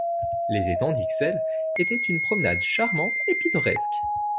Les étangs d’Ixelles étaient une promenade charmante et pittoresque.